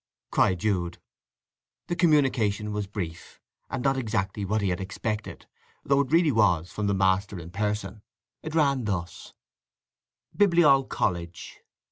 cried Jude. The communication was brief, and not exactly what he had expected; though it really was from the master in person. It ran thus: BIBLIOLL COLLEGE.